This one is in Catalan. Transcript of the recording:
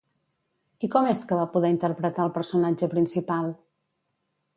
I com és que va poder interpretar el personatge principal?